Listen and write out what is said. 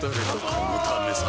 このためさ